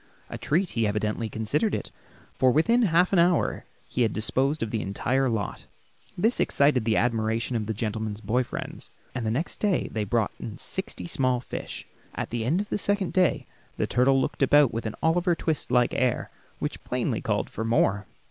A treat he evidently considered it, for within half an hour he had disposed of the entire lot. This excited the admiration of the gentleman's boy friends, and the next day they brought in sixty small fish. At the end of the second day the turtle looked about with an Oliver Twist like air, which plainly called for more.